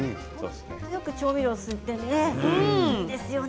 よく調味料を吸っていますよね。